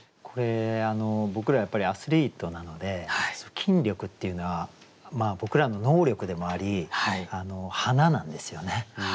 これ僕らやっぱりアスリートなので筋力っていうのは僕らの能力でもあり花なんですよね。